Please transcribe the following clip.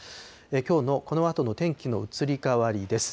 きょうのこのあとの天気の移り変わりです。